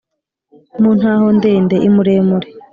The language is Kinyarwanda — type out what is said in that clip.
mu ntahondende: i muremure